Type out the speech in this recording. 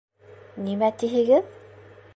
Нимәтиһегеҙ?